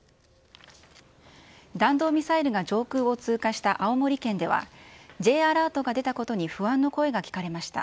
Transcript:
弾道ミサイルが上空を通過した青森県では、Ｊアラートが出たことに不安の声が聞かれました。